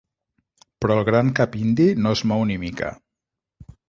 Però el gran cap indi no es mou ni mica.